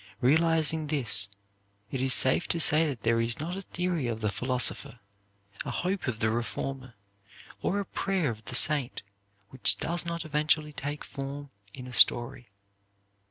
Realizing this, it is safe to say that there is not a theory of the philosopher, a hope of the reformer, or a prayer of the saint which does not eventually take form in a story.